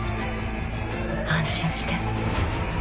安心して。